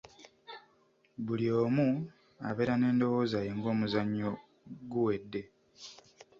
Buli omu abeera n'endowooza ye ng'omuzannyo guwedde.